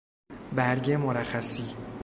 برگ مرخصی